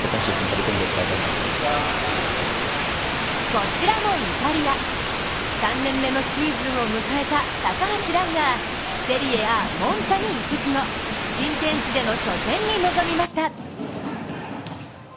こちらもイタリア３年目のシーズンを迎えた高橋藍がセリエＡ・モンツァに移籍後、新天地での初戦に臨みました。